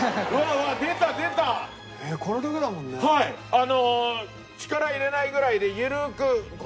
あの力入れないぐらいで緩く。